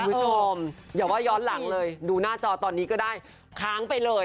คุณผู้ชมอย่าว่าย้อนหลังเลยดูหน้าจอตอนนี้ก็ได้ค้างไปเลย